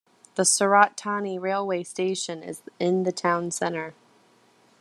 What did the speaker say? The Surat Thani Railway Station is in town center.